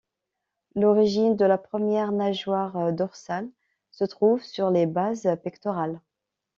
L’origine de la première nageoire dorsale se trouve sur les bases pectorales.